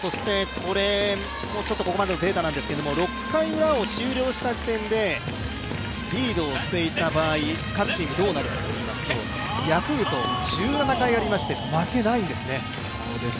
ここまでのデータなんですけれども、６回ウラを終了した時点でリードをしていた場合、各チームどうなるかといいますとヤクルト１７回ありまして、負けないんですね。